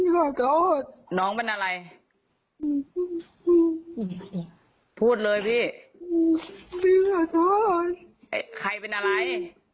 ใครเป็นอะไร